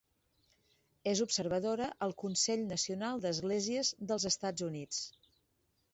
És observadora al Consell Nacional d'Esglésies dels Estats Units.